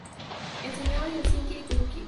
Enseñó en Helsinki y Turku.